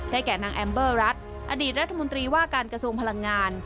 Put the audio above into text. แก่นางแอมเบอร์รัฐอดีตรัฐมนตรีว่าการกระทรวงพลังงาน